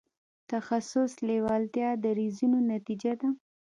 تخصص لېوالتیا دریځونو نتیجه ده.